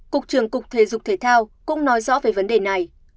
cục trưởng cục thể dục thể thao cũng nói rõ về vấn đề này